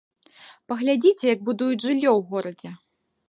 Паглядзіце, як будуюць жыллё ў горадзе!